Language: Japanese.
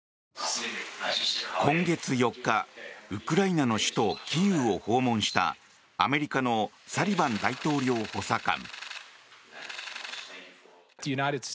今月４日、ウクライナの首都キーウを訪問したアメリカのサリバン大統領補佐官。